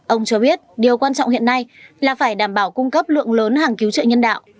ông cho biết điều quan trọng hiện nay là phải đảm bảo cung cấp lượng lớn hàng cứu trợ nhân đạo